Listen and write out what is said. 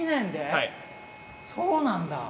はいそうなんだ